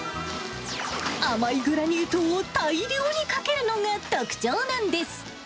甘いグラニュー糖を大量にかけるのが特徴なんです。